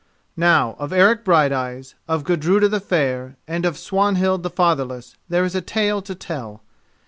Now of Eric Brighteyes, of Gudruda the Fair and of Swanhild the Fatherless, there is a tale to tell.